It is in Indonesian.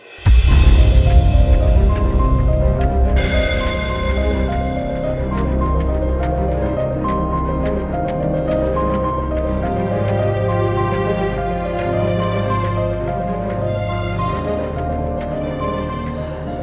saya tidak yakin